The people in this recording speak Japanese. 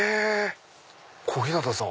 小日向さん。